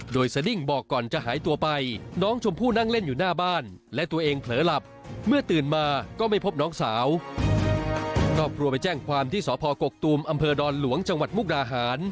ก็อบรวมไปแจ้งความที่สกกกตูมอำเภอดอนหลวงจังหวัดมุกราหาร